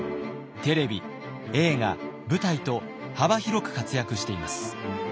テレビ映画舞台と幅広く活躍しています。